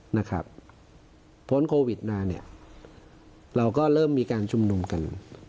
นะครับพ้นโควิดมาเนี่ยเราก็เริ่มมีการชุมนุมกัน